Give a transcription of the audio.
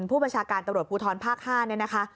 ผู้บัญชาการตำรวจภูทรภาค๕เนี่ยนะคะ